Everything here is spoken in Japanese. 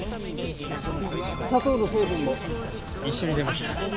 砂糖の成分も一緒に出ました。